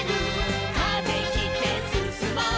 「風切ってすすもう」